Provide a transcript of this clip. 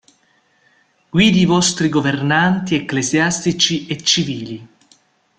Guidi i vostri Governanti ecclesiastici e civili.